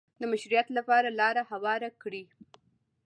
د مشروعیت لپاره لاره هواره کړي